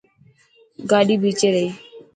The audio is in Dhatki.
گاڏي ڀيچي رهي.